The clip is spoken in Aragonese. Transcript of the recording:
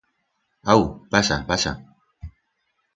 Au, pasa, pasa.